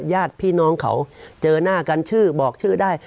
ญาติพี่น้องเขาเจอหน้ากันชื่อบอกชื่อได้